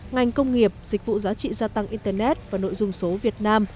ngành công nghiệp dịch vụ giá trị gia tăng internet và nội dung số việt nam